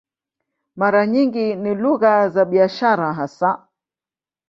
Mara nyingi ni lugha za biashara hasa.